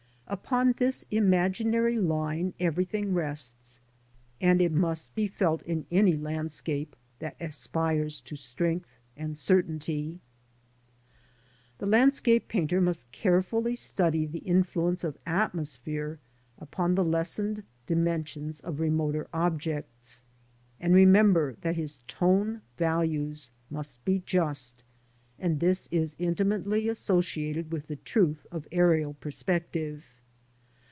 Upon this imaginary line everything rests, and it must be felt in any landscape that aspires to strength and certainty. The landscape painter must carefully study the influence of atmosphere upon the lessened dimensions of remoter objects, and remember that his tone values must be jus t, and this is inti mately associated with the truth of aerial perspective.